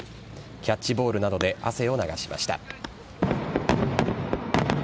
キャッチボールなどで汗を流しました。